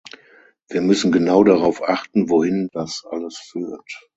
Wir müssen genau darauf achten, wohin das alles führt.